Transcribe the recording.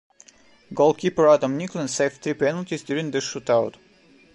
Goalkeeper Adam Nicklin saved three penalties during the shoot-out.